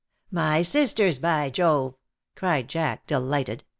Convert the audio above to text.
H " My sisters, by Jove/^ cried Jack, deliglited.